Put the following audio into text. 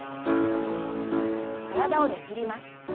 体をねじります。